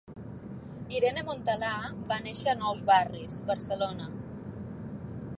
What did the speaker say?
Irene Montalà va néixer a Nou Barris, Barcelona.